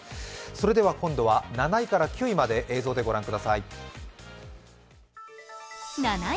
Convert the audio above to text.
それでは今度は７位から９位まで映像でご覧ください。